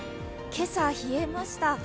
今朝、冷えました。